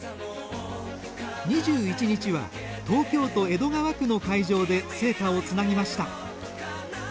２１日は東京都江戸川区の会場で聖火をつなぎました。